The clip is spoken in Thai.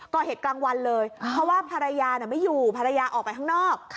กลางวันเลยเพราะว่าภรรยาไม่อยู่ภรรยาออกไปข้างนอก